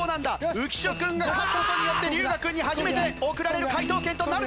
浮所君が勝つ事によって龍我君に初めて送られる解答権となるでしょうか？